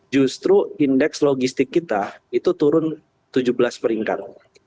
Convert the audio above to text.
justru indeks logistik kita itu turun tujuh belas peringkat